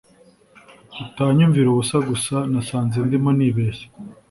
utanyumvira ubusa gusa nasanze ndimo nibeshya